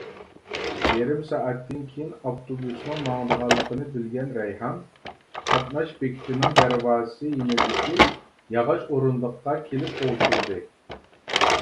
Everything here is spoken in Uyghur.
يېرىم سائەتتىن كېيىن ئاپتوبۇسنىڭ ماڭىدىغانلىقىنى بىلگەن رەيھان، قاتناش بېكىتىنىڭ دەرۋازىسى يېنىدىكى ياغاچ ئورۇندۇققا كېلىپ ئولتۇردى.